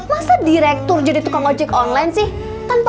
masa direktur jadi tukang ojek ongkak